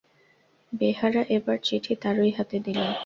বেহারা এবার চিঠি তারই হাতে দিল।